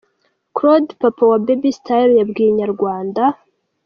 Claude papa wa Baby Style yabwiye Inyarwanda.